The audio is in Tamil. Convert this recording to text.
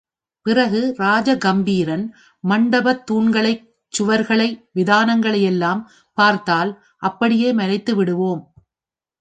பிறகு ராஜ கம்பீரன் மண்டபத்துத் தூண்களை, சுவரை, விதானத்தையெல்லாம் பார்த்தால் அப்படியே மலைத்து விடுவோம்.